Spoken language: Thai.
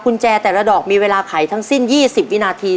กุญแจแต่ละดอกมีเวลาขายทั้งสิ้นยี่สิบวินาที